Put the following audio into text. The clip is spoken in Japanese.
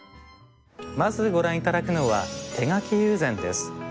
まずご覧頂くのは手描き友禅です。